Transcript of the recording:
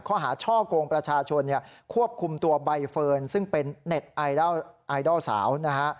ข้อหาช่อกงประชาชนเนี่ยควบคุมตัวใบเฟิร์นซึ่งเป็นเน็ตไอดอลไอดอลสาวนะฮะ